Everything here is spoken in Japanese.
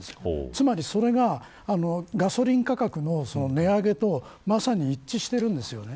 つまり、それがガソリン価格の値上げとまさに一致してるんですね。